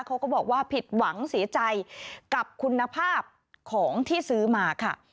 เขาก็บอกว่าผิดหวังเสียใจกับคุณภาพของที่ซื้อมาค่ะ